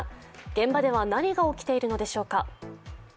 現場では何が起きているのでしょうか。